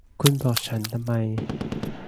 คุณบอกฉันทำไม